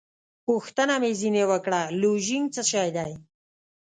پوښتنه مې ځینې وکړه: لوژینګ څه شی دی؟